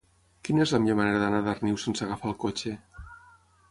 Quina és la millor manera d'anar a Darnius sense agafar el cotxe?